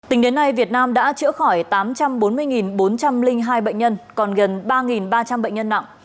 tính đến nay việt nam đã chữa khỏi tám trăm bốn mươi bốn trăm linh hai bệnh nhân còn gần ba ba trăm linh bệnh nhân nặng